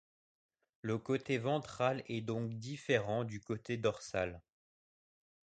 Le côté ventral est donc diffèrent du côté dorsal.